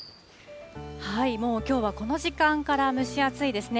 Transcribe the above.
もうきょうはこの時間から蒸し暑いですね。